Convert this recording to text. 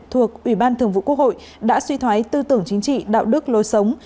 thuộc ủy ban thường vụ quốc hội đã suy thoái tư tưởng chính trị đạo đức lối sống